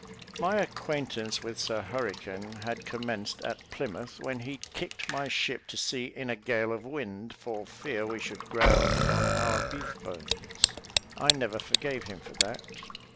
My acquaintance with Sir Hurricane had commenced at Plymouth, when he kicked my ship to sea in a gale of wind, for fear we should ground on our beef bones. I never forgave him for that.